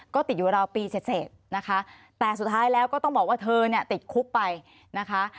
ก็ติดอยู่ราวปีเสร็จนะคะแต่สุดท้ายแล้วก็ต้องบอกว่าเธอเนี่ยติดคุกไปนะคะ